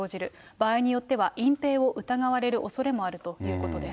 場合によっては、隠ぺいを疑われるおそれもあるということです。